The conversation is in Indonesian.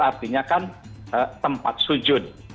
artinya kan tempat sujud